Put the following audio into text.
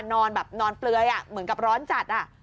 นอนแบบนอนเปลือยเหมือนกับร้อนจัด